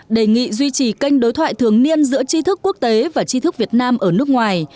đề nghị duy trì kênh đối thoại thường niên giữa chi thức quốc tế và chi thức việt nam ở nước ngoài